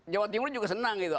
jawa timur juga senang gitu